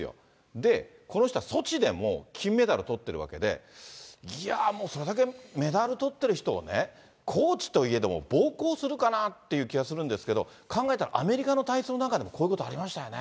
で、この人はソチでも金メダルとってるわけで、それだけメダルとってる人をね、コーチといえども暴行するかなっていう気はするんですけど、考えたらアメリカの体操の中でもこういうことありましたよね。